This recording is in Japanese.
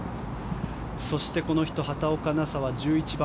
そして、この人畑岡奈紗は１１番。